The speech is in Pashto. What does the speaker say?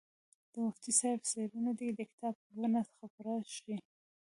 د مفتي صاحب څېړنه دې د کتاب په بڼه خپره شي.